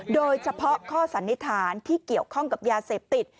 โดยเฉพาะข้อสันนิษฐานที่เกี่ยวข้องกับยาเสพติด